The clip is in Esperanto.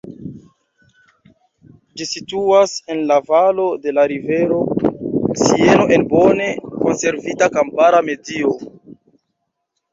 Ĝi situas en la valo de la rivero Sieno en bone konservita kampara medio.